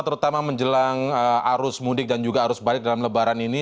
terutama menjelang arus mudik dan juga arus balik dalam lebaran ini